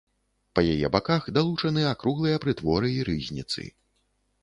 Па яе баках далучаны акруглыя прытворы і рызніцы.